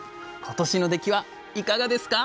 今年の出来はいかがですか？